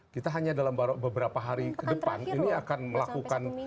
kita hanya dalam beberapa hari ke depan ini akan melakukan